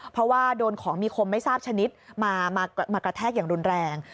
เพราะว่าโดนของมีคมไม่ทราบชนิดมากระแทกอย่างรุนแรง